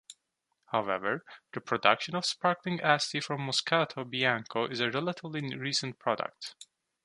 However, the production of sparkling Asti from Moscato Bianco is a relatively recent product.